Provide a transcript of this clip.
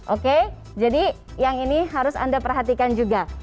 oke jadi yang ini harus anda perhatikan juga